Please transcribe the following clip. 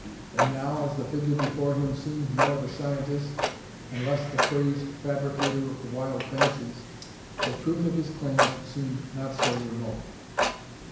And now, as the figure before him seemed more the scientist and less the crazed fabricator of wild fancies, the truth of his claims seemed not so remote.